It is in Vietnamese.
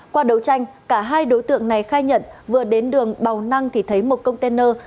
qua đấu tranh cả hai đối tượng này khai nhận vừa đến đường bào năng thì thấy một container